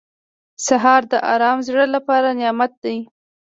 سهار د ارام زړه لپاره نعمت دی.